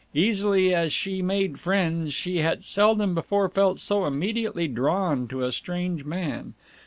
Easily as she made friends, she had seldom before felt so immediately drawn to a strange man.